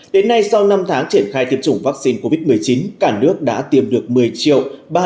đến nay sau năm tháng triển khai tiêm chủng vaccine covid một mươi chín cả nước đã tiêm được một mươi ba trăm chín mươi ba hai mươi năm liều